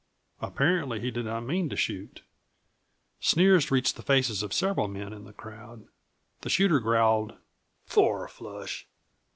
Apparently he did not mean to shoot. Sneers reached the faces of several men in the crowd. The shooter growled, "Fourflush."